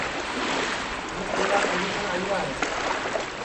ہُو پیڑا پھری کن آئیرا ہے